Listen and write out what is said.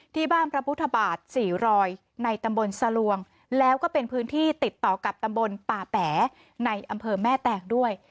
พระพุทธบาทสี่รอยในตำบลสลวงแล้วก็เป็นพื้นที่ติดต่อกับตำบลป่าแป๋ในอำเภอแม่แตงด้วย